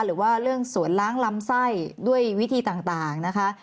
หรือว่าเรื่องสวนล้างลำไส้ด้วยวิธีต่างนะคะ